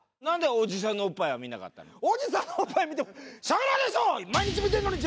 おじさんのおっぱい見てもしょうがないでしょ！